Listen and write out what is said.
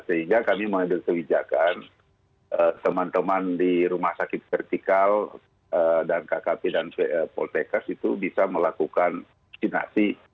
sehingga kami mengambil kebijakan teman teman di rumah sakit vertikal dan kkp dan poltekas itu bisa melakukan vaksinasi